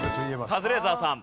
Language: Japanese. カズレーザーさん。